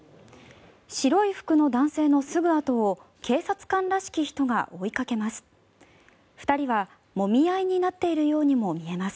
白い服の男性のすぐ後を警察官らしき人が追いかけます。